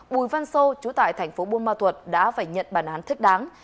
bùi văn sô trú tại thành phố buôn ma thuật đã phải nhận bàn án thích đáng